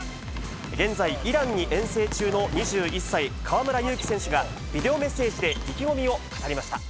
現在、イランに遠征中の２１歳、河村勇輝選手がビデオメッセージで意気込みを語りました。